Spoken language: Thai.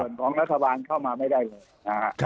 ส่วนของรัฐบาลเข้ามาไม่ได้เลยนะฮะ